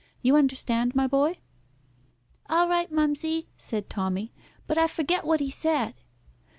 You understand, my boy?" "All right, mumsy," said Tommy. "But I forget what he said."